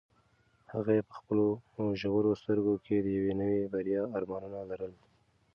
هغې په خپلو ژورو سترګو کې د یوې نوې بریا ارمانونه لرل.